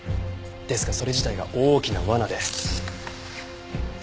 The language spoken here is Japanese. ですがそれ自体が大きな罠で。